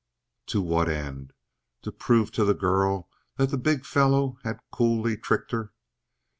To what end? To prove to the girl that the big fellow had coolly tricked her?